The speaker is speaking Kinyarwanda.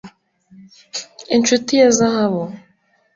inshuti ya zahabu!